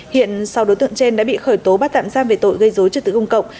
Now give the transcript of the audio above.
hiện sau đối tượng trên đã bị khởi tố bắt tạm giam về tội gây dối trước tử công cộng